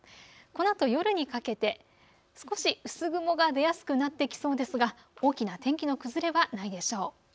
このあと夜にかけて少し薄雲が出やすくなってきそうですが大きな天気の崩れはないでしょう。